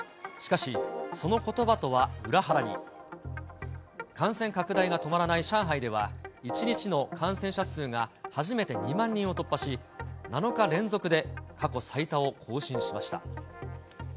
しかし、そのことばとは裏腹に、感染拡大が止まらない上海では、１日の感染者数が初めて２万人を突破し、７日連続で、過去最多を更新しました。